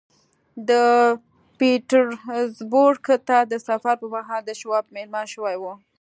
دوی پيټرزبورګ ته د سفر پر مهال د شواب مېلمانه شوي وو.